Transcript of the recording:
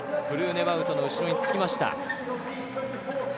フルーネバウトの後ろにつきました。